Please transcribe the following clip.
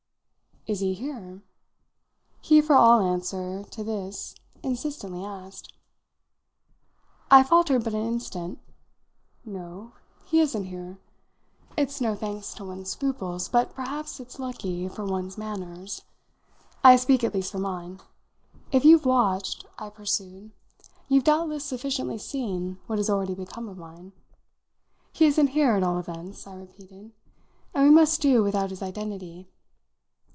"Is he here?" he for all answer to this insistently asked. I faltered but an instant. "No; he isn't here. It's no thanks to one's scruples, but perhaps it's lucky for one's manners. I speak at least for mine. If you've watched," I pursued, "you've doubtless sufficiently seen what has already become of mine. He isn't here, at all events," I repeated, "and we must do without his identity.